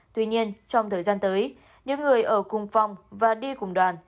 tuy nhiên trong thời gian tới những người ở cùng phong và đi cùng đoàn